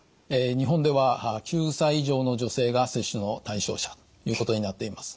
日本では９歳以上の女性が接種の対象者ということになっています。